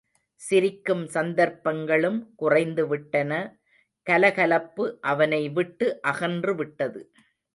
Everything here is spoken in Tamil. சிரிக்கும் சந்தர்ப்பங்களும் குறைந்துவிட்டன கல கலப்பு அவனை விட்டு அகன்று விட்டது.